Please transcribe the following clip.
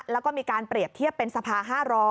แล้วก็มีการเปรียบเทียบเป็นสภา๕๐๐